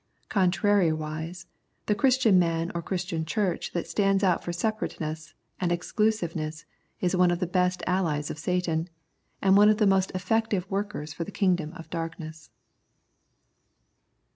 Contrariwise, the Christian man or Christian Church that stands out for separateness and exclusiveness is one of the best allies of Satan, and one of the most effective v^orkers for the kingdom of darkness.